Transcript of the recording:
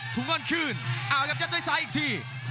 ถุงง่อนคืนเอาครับยัดด้วยซ้ายอีกที